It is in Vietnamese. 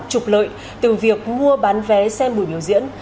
trục lợi từ việc mua bán vé xem buổi biểu diễn